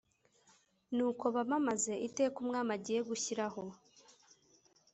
Nuko bamamaze iteka umwami agiye gushyiraho